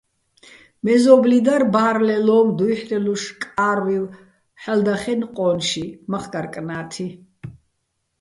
მეზო́ბლი დარ ბა́რლეჼ ლო́უ̆მო̆ დუ́ჲჰ̦რელუშ კა́რვივ ჰ̦ალო̆ და́ხკენო̆ ყო́ნში, მახკარ-კნა́თი.